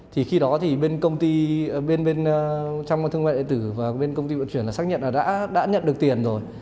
thì khi đó thì bên công ty bên sàn thương mại điện tử và bên công ty vận chuyển đã xác nhận là đã nhận được tiền rồi